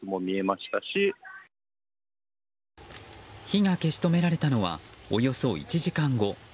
火が消し止められたのはおよそ１時間後。